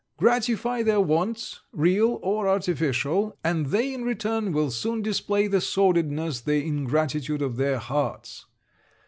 Gratify their wants, real or artificial; and they, in return, will soon display the sordidness the ingratitude of their hearts.'